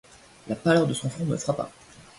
La pâleur de son front me frappa.